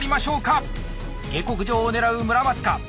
「下克上」を狙う村松か